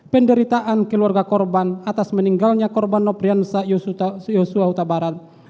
penderitaan keluarga korban atas meninggalnya korban noprian sakyus yosua utabarat